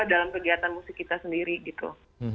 dalam kegiatan musik kita sendiri gitu